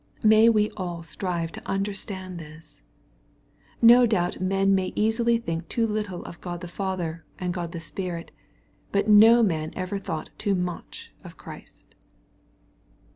May we all strive to understand this. No doubt men may easily think too little of God the Father, and Grod the Spirit, but no man ever thought too much of Christ.